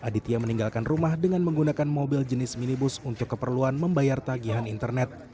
aditya meninggalkan rumah dengan menggunakan mobil jenis minibus untuk keperluan membayar tagihan internet